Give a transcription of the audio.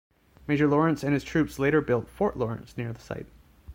Major Lawrence and his troops later built Fort Lawrence near the site.